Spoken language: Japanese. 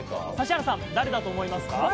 指原さん、誰だと思いますか？